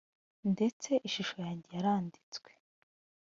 ndetse ishusho yanjye yaranditswe